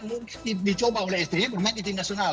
saya mencoba oleh sti bermain di tim nasional